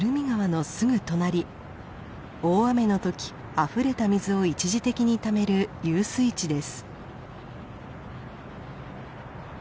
川のすぐ隣大雨の時あふれた水を一時的にためる遊水地です。